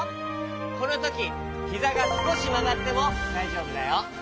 このときひざがすこしまがってもだいじょうぶだよ。